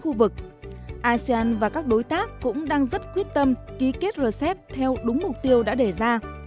khu vực asean và các đối tác cũng đang rất quyết tâm ký kết rcep theo đúng mục tiêu đã để ra